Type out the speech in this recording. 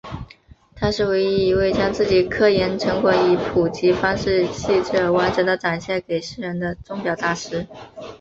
他是唯一一位将自己的科研成果以普及方式细致而完整地展现给世人的钟表大师。